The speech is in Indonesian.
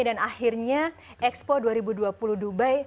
dan akhirnya expo dua ribu dua puluh dubai berhasil